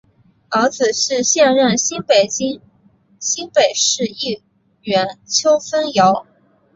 儿子是现任新北市议员邱烽尧。